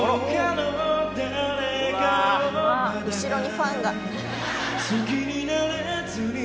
後ろにファンが。